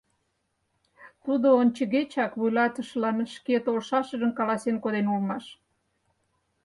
Тудо ончыгечак вуйлатышылан шке толшашыжым каласен коден улмаш.